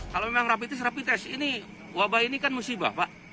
kalau memang rapi tes rapi tes ini wabah ini kan musibah pak